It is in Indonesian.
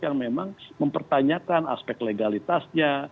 yang memang mempertanyakan aspek legalitasnya